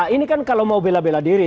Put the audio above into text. ini kan kalau mau bela bela diri